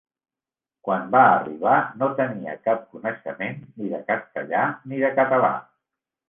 Quan va arribar no tenia cap coneixement ni de castellà ni de català.